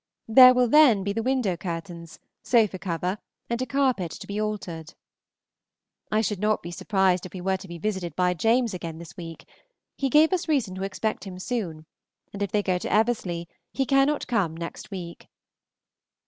There will then be the window curtains, sofa cover, and a carpet to be altered. I should not be surprised if we were to be visited by James again this week; he gave us reason to expect him soon, and if they go to Eversley he cannot come next week.